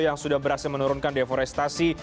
yang sudah berhasil menurunkan deforestasi